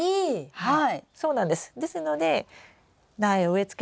はい。